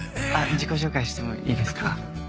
自己紹介してもいいですか？